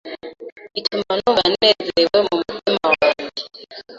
bituma numva nezerewe mu umutima wanjye